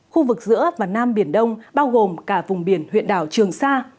khu vực giữa và nam biển đông bao gồm cả vùng biển huyện đảo trường sa